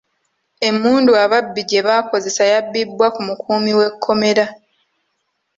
Emmundu ababbi gye baakozesa yabibbwa ku mukuumi w'ekkomera.